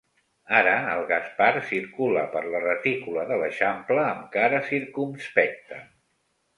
Ara el Gaspar circula per la retícula de l'Eixample amb cara circumspecta.